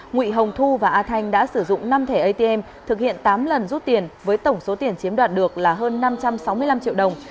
nguy hồng thu và a thanh đã sử dụng năm thẻ atm thực hiện tám lần rút tiền với tổng số tiền chiếm đoạt được là hơn năm trăm sáu mươi năm triệu đồng